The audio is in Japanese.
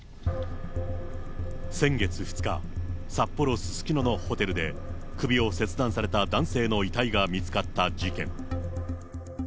先月２日、札幌・すすきののホテルで、首を切断された男性の遺体が見つかった事件。